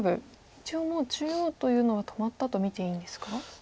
一応もう中央というのは止まったと見ていいんですか？